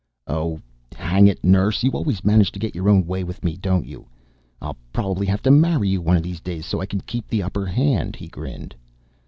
"Oh, hang it, nurse! You always manage to get your own way with me, don't you? I'll probably have to marry you one of these days, so I can keep the upper hand," he grinned.